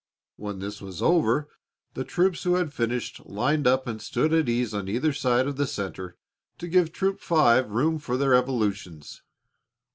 When this was over, the troops who had finished lined up and stood at ease on either side of the center to give Troop Five room for their evolutions.